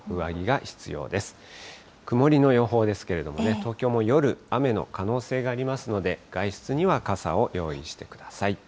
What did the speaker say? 曇りの予報ですけれどもね、東京も夜、雨の可能性がありますので、外出には傘を用意してください。